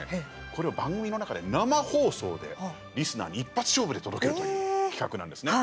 これを番組の中で生放送でリスナーに一発勝負で届けるという企画なんですね。